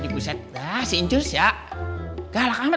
gak sih injur siak